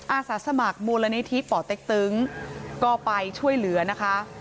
อาสาสมัครมูลนิธิป่อเต็กตึงก็ไปช่วยเหลือนะคะ